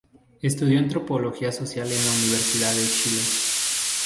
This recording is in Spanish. Estudió antropología social en la Universidad de Chile.